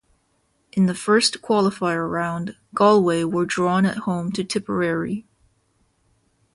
In the first qualifier round, Galway were drawn at home to Tipperary.